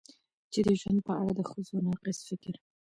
چې د ژوند په اړه د ښځو ناقص فکر